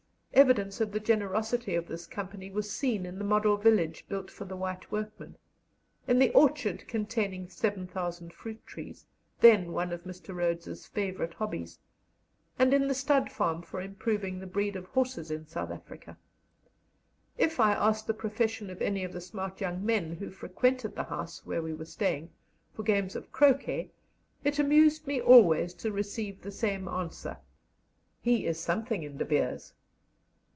Evidence of the generosity of this company was seen in the model village built for the white workmen; in the orchard containing 7,000 fruit trees, then one of Mr. Rhodes's favourite hobbies; and in the stud farm for improving the breed of horses in South Africa. If I asked the profession of any of the smart young men who frequented the house where we were staying, for games of croquet, it amused me always to receive the same answer, "He is something in De Beers."